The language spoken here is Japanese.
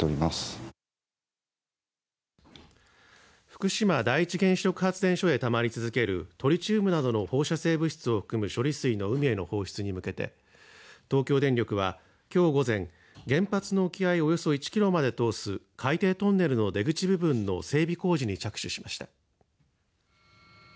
福島第一原子力発電所でたまり続けるトリチウムなどの放射性物質を含む処理水の海への放出に向けて東京電力は、きょう午前、原発の沖合およそ１キロまで通す海底トンネルの出口部分の整備工事に着手しました。